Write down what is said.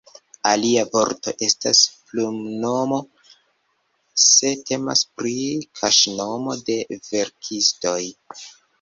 Alia vorto estas "plumnomo", se temas pri kaŝnomo de verkistoj.